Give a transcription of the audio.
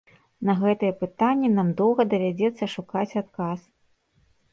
На гэтае пытанне нам доўга давядзецца шукаць адказ.